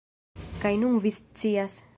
Kaj nun vi scias